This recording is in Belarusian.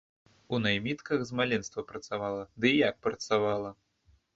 У наймітках з маленства працавала, ды як працавала?!